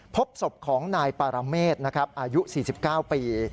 พบศพของนายปารเมษนะครับอายุ๔๙ปี